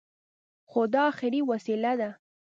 خو دا اخري وسيله ده.